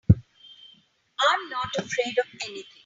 I'm not afraid of anything.